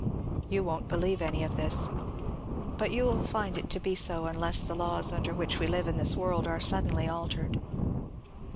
You won't believe any of this, — but you will find it to be so unless the laws imder which we live in this world are sud denly altered.